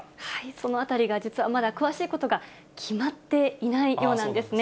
そのあたりが実はまだ詳しいことが決まっていないようなんですね。